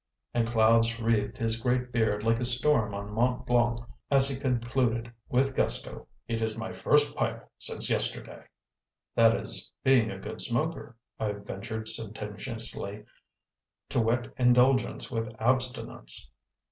And clouds wreathed his great beard like a storm on Mont Blanc as he concluded, with gusto, "It is my first pipe since yesterday." "That is being a good smoker," I ventured sententiously; "to whet indulgence with abstinence."